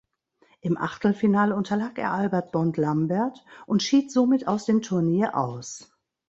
Im Achtelfinale unterlag er Albert Bond Lambert und schied somit aus dem Turnier aus.